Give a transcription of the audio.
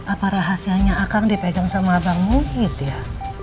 apa rahasianya akang dipegang sama abang muhid ya